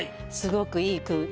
すごくいい句。